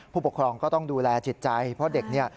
ผู้ปกครองก็ต้องดูแลจิตใจเพราะเด็กเนี่ย